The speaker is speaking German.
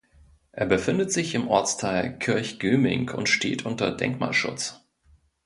Er befindet sich im Ortsteil Kirchgöming und steht unter Denkmalschutz.